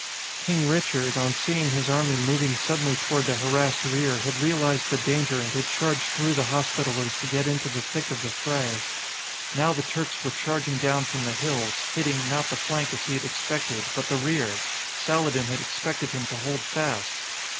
King Richard, on seeing his army moving suddenly toward the harassed rear, had realized the danger and had charged through the Hospitallers to get into the thick of the fray. Now the Turks were charging down from the hills, hitting not the flank as he had expected, but the rear! Saladin had expected him to hold fast!